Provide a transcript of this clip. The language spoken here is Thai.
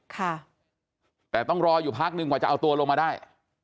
ค่ะแต่ต้องรออยู่พักหนึ่งกว่าจะเอาตัวลงมาได้